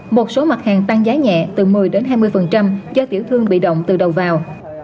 một số mặt hàng tăng giá nhẹ từ một mươi hai mươi do tiểu thương bị động từ đầu vào